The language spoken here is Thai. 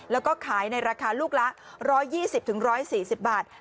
แล้วก็ขายในราคาลูกละร้อยยี่สิบถึงร้อยสี่สิบบาท